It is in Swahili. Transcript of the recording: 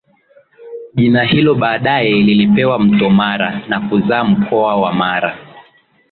Jina hilo baadaye lilipewa Mto Mara na kuzaa mkoa wa Mara